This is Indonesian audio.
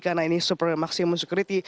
karena ini super maximum security